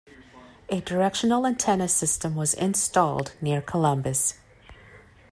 A directional antenna system was installed near Columbus.